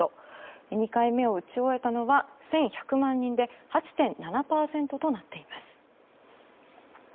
２回目を打ち終えたのは１１００万人で８．７％となっています。